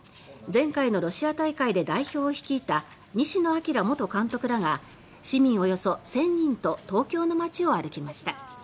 前回のロシア大会で代表を率いた西野朗元監督らが市民およそ１０００人と東京の街を歩きました。